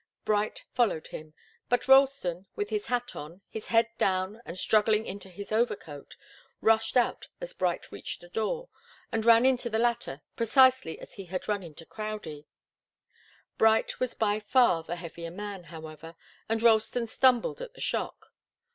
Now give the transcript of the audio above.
Bright followed him, but Ralston, with his hat on, his head down and struggling into his overcoat, rushed out as Bright reached the door, and ran into the latter, precisely as he had run into Crowdie. Bright was by far the heavier man, however, and Ralston stumbled at the shock.